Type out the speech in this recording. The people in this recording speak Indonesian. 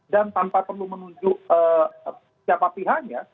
dan tanpa perlu menunjuk siapa pihaknya